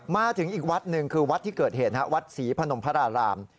มาถึงอีกวัดหนึ่งคือวัดที่เกิดเหตุวัดศรีพนมพระราราม